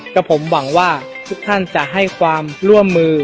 ก็ผมหวังว่าทุกท่านจะให้ความร่วมมือ